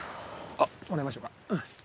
あっもらいましょうか。